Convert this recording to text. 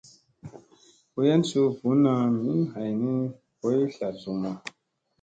Wayan suu bunna min hayni boy tla zumma.